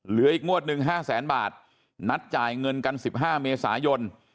เหลืออีกงวดหนึ่ง๕แสนบาทนัดจ่ายเงินกัน๑๕เมษายน